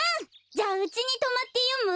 じゃあうちにとまってよむ？